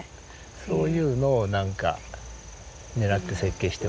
そういうのをなんかねらって設計してますね。